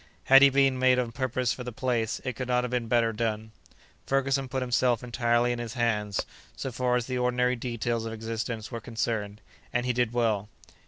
Had he been made on purpose for the place, it could not have been better done. Ferguson put himself entirely in his hands, so far as the ordinary details of existence were concerned, and he did well.